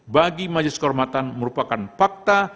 bagi majelis kehormatan merupakan fakta